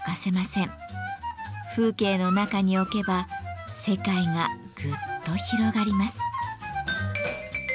風景の中に置けば世界がぐっと広がります。